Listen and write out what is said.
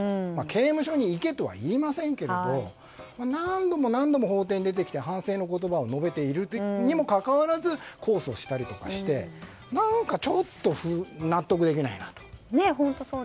刑務所に行けとは言いませんけれど何度も何度も法廷に出てきて反省の言葉を述べているにもかかわらず控訴したりとかして本当、そうですよね。